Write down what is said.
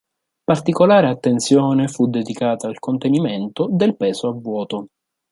Particolare attenzione fu dedicata al contenimento del peso a vuoto.